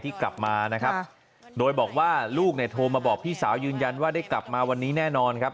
กลับมานะครับโดยบอกว่าลูกเนี่ยโทรมาบอกพี่สาวยืนยันว่าได้กลับมาวันนี้แน่นอนครับ